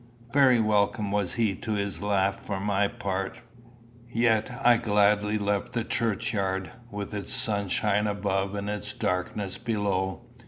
Very welcome was he to his laugh for my part. Yet I gladly left the churchyard, with its sunshine above and its darkness below.